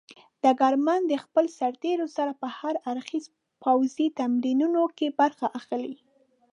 ډګرمن د خپلو سرتېرو سره په هر اړخيزو پوځي تمرینونو کې برخه اخلي.